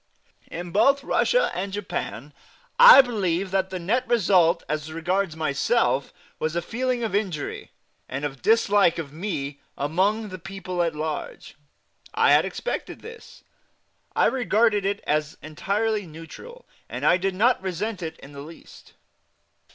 In both Russia and Japan I believe that the net result as regards myself was a feeling of injury, and of dislike of me, among the people at large. I had expected this; I regarded it as entirely natural; and I did not resent it in the least.